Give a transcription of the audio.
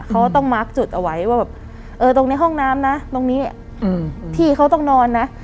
เขาต้องมาร์คจุดเอาไว้ว่าแบบตรงนี้ห้องน้ำนะตรงนี้ที่เขาต้องนอนนะ